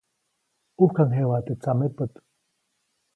ʼUjkaŋjejuʼa teʼ tsamepät.